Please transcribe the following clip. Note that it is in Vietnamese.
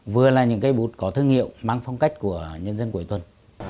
vừa là những cây bút có thương hiệu mang phong cách của nhân dân cuối tuần